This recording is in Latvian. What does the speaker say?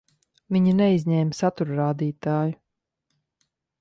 Viņi neizņēma satura rādītāju.